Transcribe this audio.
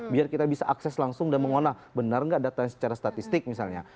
biar kita bisa akses langsung dan mengolah benar nggak datanya secara statistik misalnya